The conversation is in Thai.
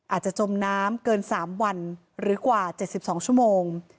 จมน้ำเกิน๓วันหรือกว่า๗๒ชั่วโมง